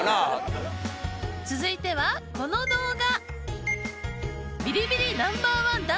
続いてはこの動画。